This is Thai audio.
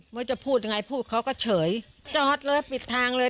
ว่าจะพูดยังไงพูดเขาก็เฉยจอดเลยปิดทางเลย